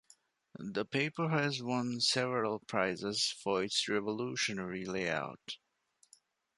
The paper has won several prizes for its revolutionary lay-out.